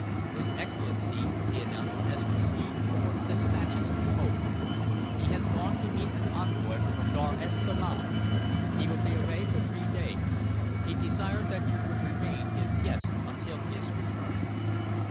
"His Excellency," he announced, "has received important despatches from home. He has gone to meet an envoy from Dar es Salaam. He will be away for three days. He desired that you would remain his guest until his return."